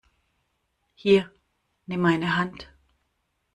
Hier, nimm meine Hand!